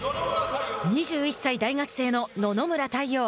２１歳、大学生の野々村太陽。